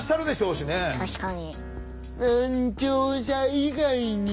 確かに。